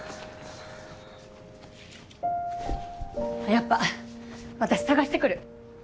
やっぱ私捜してくる。